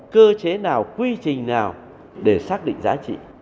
cơ chế nào quy trình nào để xác định giá trị